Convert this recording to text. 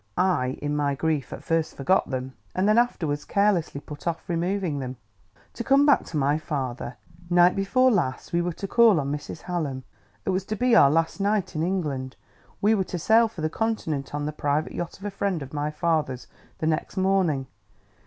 I, in my grief, at first forgot them, and then afterwards carelessly put off removing them. "To come back to my father: Night before last we were to call on Mrs. Hallam. It was to be our last night in England; we were to sail for the Continent on the private yacht of a friend of my father's, the next morning....